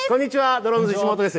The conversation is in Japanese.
ドロンズ石本です。